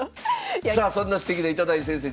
さあそんなすてきな糸谷先生